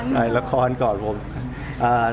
ตื่นอยากถ่ายละคร